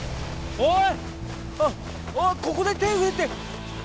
おい！